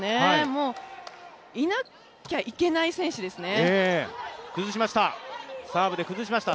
もう、いなきゃいけない選手ですね。